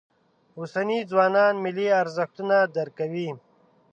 اوسني ځوانان ملي ارزښتونه درک کوي.